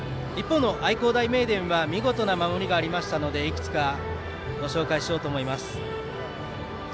愛工大名電は見事な守りがありましたのでいくつかご紹介しようと思います。